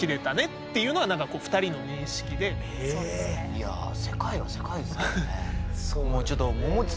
いや世界は世界ですけどね。